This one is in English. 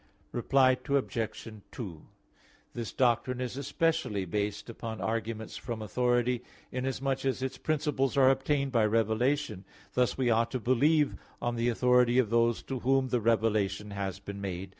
Reply Obj. 2: This doctrine is especially based upon arguments from authority, inasmuch as its principles are obtained by revelation: thus we ought to believe on the authority of those to whom the revelation has been made.